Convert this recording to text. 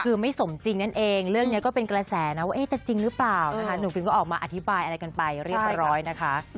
คือไม่สมจริงนั่นเองเรื่องนี้ก็เป็นกระแสนะว่าจะจริงหรือเปล่านะคะหนุ่มฟิล์ก็ออกมาอธิบายอะไรกันไปเรียบร้อยนะคะ